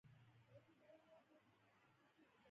افغانستان پنځه زر کلن تاریخ لري.